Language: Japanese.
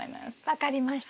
分かりました。